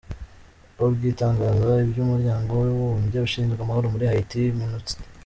org itangaza iby’Umuryango w’Abibumbye ushinzwe amahoro muri Haiti” Minustah“.